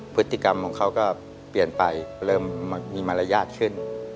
พฤติกรรมของเขาก็เปลี่ยนไปเริ่มมีมารยาทขึ้น